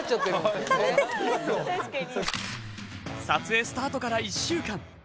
撮影スタートから１週間。